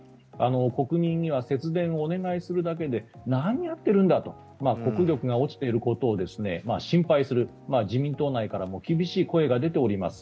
国民には節電をお願いするだけで何をやってるんだと国力が落ちていることを心配する、自民党内からも厳しい声が出ております。